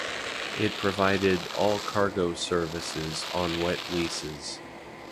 It provided all-cargo services on wet leases.